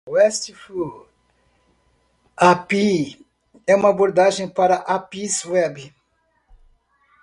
RESTful API é uma abordagem para APIs web.